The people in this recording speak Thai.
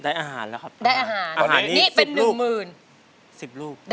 ได้อาหารแล้วครับได้อาหารตอนนี้นี่เป็นหนึ่งหมื่นสิบลูก